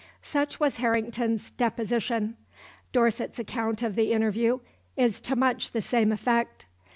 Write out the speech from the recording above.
Such was Harrington's deposition. Dorset's account of the interview is to much the same effect.